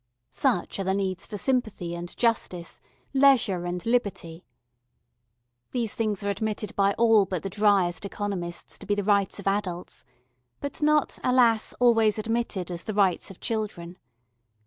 Such are the needs for sympathy and justice, leisure and liberty. These things are admitted by all but the driest economists to be the rights of adults, but not, alas! always admitted as the rights of children.